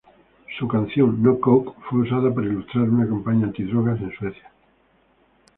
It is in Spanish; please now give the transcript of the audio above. Su canción "No coke" fue usada para ilustrar una campaña antidrogas en Suecia.